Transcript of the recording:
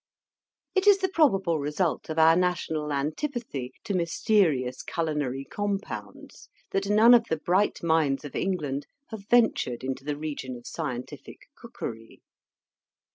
It is the probable result of our national antipathy to mysterious culinary compounds, that none of the bright minds of England have ventured into the region of scientific cookery.